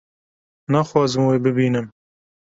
naxwazim wê bibînim